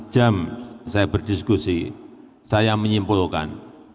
satu lima jam saya berdiskusi saya menyimpulkan